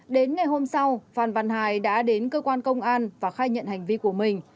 đến ngày hôm sau phan văn hải đã đến cơ quan công an và khai nhận hành vi của mình